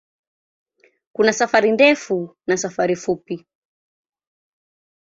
Kuna safari ndefu na safari fupi.